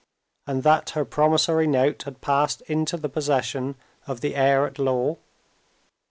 and that her promissory note had passed into the possession of the heir at law?